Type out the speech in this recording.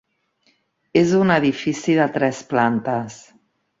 És un edifici de tres plantes.